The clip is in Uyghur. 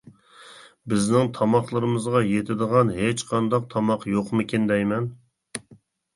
بىزنىڭ تاماقلىرىمىزغا يېتىدىغان ھېچقانداق تاماق يوقمىكىن دەيمەن.